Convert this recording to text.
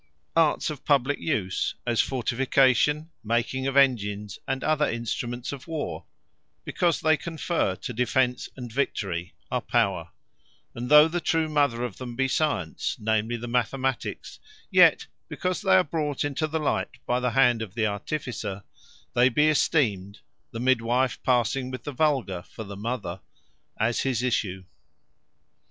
Arts of publique use, as Fortification, making of Engines, and other Instruments of War; because they conferre to Defence, and Victory, are Power; And though the true Mother of them, be Science, namely the Mathematiques; yet, because they are brought into the Light, by the hand of the Artificer, they be esteemed (the Midwife passing with the vulgar for the Mother,) as his issue.